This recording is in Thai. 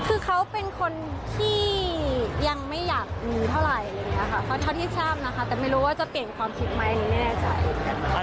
คือเขาเป็นคนที่ยังไม่อยากมีเท่าไหร่อะไรอย่างนี้ค่ะเพราะเท่าที่ทราบนะคะแต่ไม่รู้ว่าจะเปลี่ยนความคิดไหมอันนี้ไม่แน่ใจ